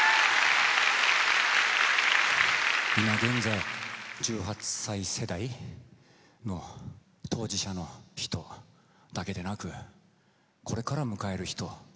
今現在１８歳世代の当事者の人だけでなくこれから迎える人